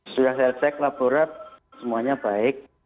sudah saya cek laborato semuanya baik